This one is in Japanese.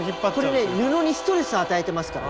これね布にストレスを与えてますから。